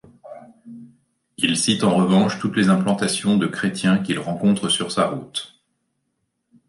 Il cite en revanche toutes les implantations de chrétiens qu'il rencontre sur sa route.